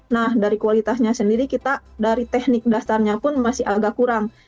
nah dari kualitasnya sendiri kita dari teknik dasarnya pun masih tidak terlalu bagus